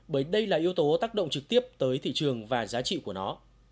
bởi đây là yếu tố tác động trực tiếp tới thị trường và giá trị của nó